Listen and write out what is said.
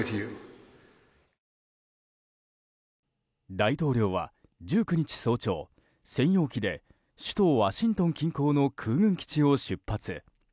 大統領は１９日早朝専用機で首都ワシントン近郊の空軍基地を出発。